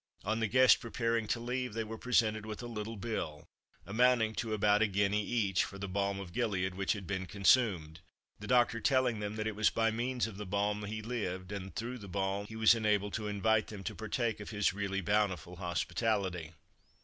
On the guests preparing to leave, they were presented with "a little bill" amounting to about a guinea each for the Balm of Gilead which had been consumed. The doctor telling them that it was by means of the "Balm" he lived, and through the "Balm" he was enabled to invite them to partake of his really bountiful hospitality.